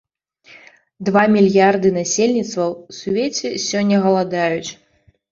Два мільярды насельніцтва ў свеце сёння галадаюць.